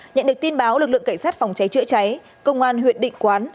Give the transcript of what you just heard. nhận được tin báo lực lượng cảnh sát phòng cháy chữa cháy công an huyện định quán